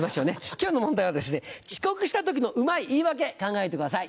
今日の問題は遅刻した時のうまい言い訳考えてください。